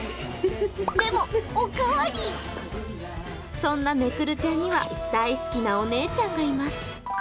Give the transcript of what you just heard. そんなめくるちゃんには大好きなお姉ちゃんがいます。